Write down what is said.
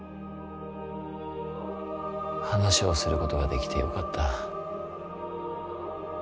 話をすることができてよかった。